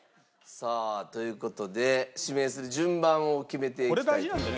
さあという事で指名する順番を決めていきたいと。